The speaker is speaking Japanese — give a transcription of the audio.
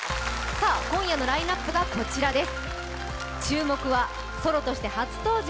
さあ今夜のラインナップはこちらです。